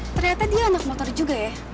ternyata dia anak motor juga ya